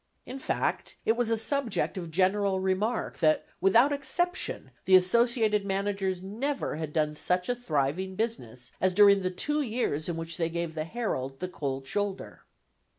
In fact, it was a subject of general remark, that, without exception, the associated managers never had done such a thriving business as during the two years in which they gave the Herald the cold shoulder.